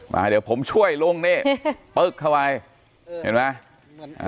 มาเดี๋ยวผมช่วยลุงนี่ปึ๊กเข้าไปเห็นไหม